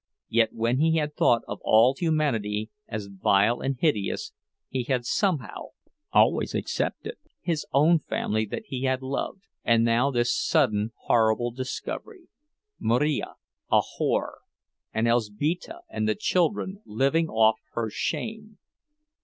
Yet when he had thought of all humanity as vile and hideous, he had somehow always excepted his own family that he had loved; and now this sudden horrible discovery—Marija a whore, and Elzbieta and the children living off her shame!